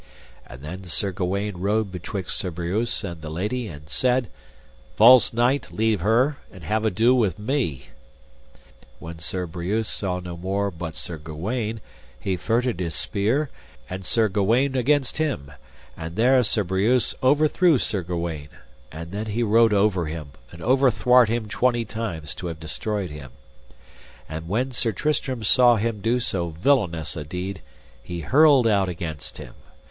And then Sir Gawaine rode betwixt Sir Breuse and the lady, and said: False knight, leave her, and have ado with me. When Sir Breuse saw no more but Sir Gawaine he feutred his spear, and Sir Gawaine against him; and there Sir Breuse overthrew Sir Gawaine, and then he rode over him, and overthwart him twenty times to have destroyed him; and when Sir Tristram saw him do so villainous a deed, he hurled out against him.